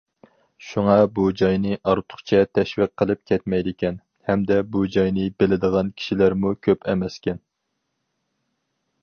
شۇڭا بۇ جاينى ئارتۇقچە تەشۋىق قىلىپ كەتمەيدىكەن ھەمدە بۇ جاينى بىلىدىغان كىشىلەرمۇ كۆپ ئەمەسكەن.